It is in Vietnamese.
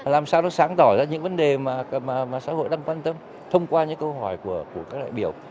làm sao nó sáng tỏ ra những vấn đề mà xã hội đang quan tâm thông qua những câu hỏi của các đại biểu